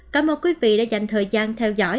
cảm ơn quý vị đã dành thời gian theo dõi